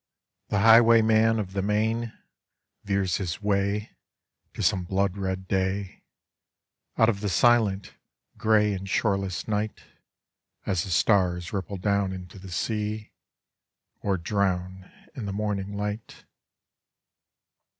The highwayman of the main Veers his way To some blood red day, Out of the silent, gray and shoreless night, As the stars ripple dovn into the sea Or drown in the morning light.